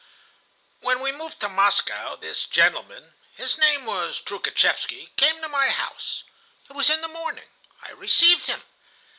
"When we moved to Moscow, this gentleman—his name was Troukhatchevsky—came to my house. It was in the morning. I received him.